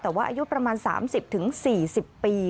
แต่ว่าอายุประมาณ๓๐๔๐ปี